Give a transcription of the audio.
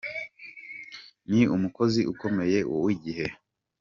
Ni umukozi ukomeye wa Igihe ltd.